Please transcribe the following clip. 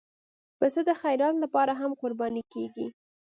پسه د خیرات لپاره هم قرباني کېږي.